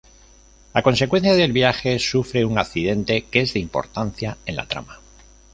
A consecuencia del viaje sufre un accidente que es de importancia en la trama.